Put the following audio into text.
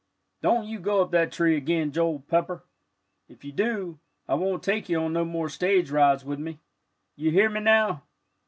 Don't you go up that tree again, Joel Pepper! If you do, I won't take you on no more stage rides with me. You hear me, now."